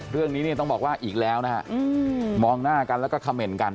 เรื่องนี้เนี่ยต้องบอกว่าอีกแล้วนะฮะมองหน้ากันแล้วก็เขม่นกัน